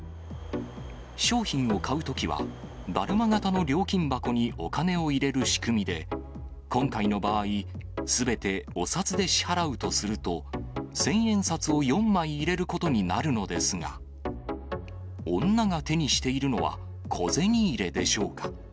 商品を買うときは、だるま形の料金箱にお金を入れる仕組みで、今回の場合、すべてお札で支払うとすると、千円札を４枚入れることになるのですが、女が手にしているのは、小銭入れでしょうか。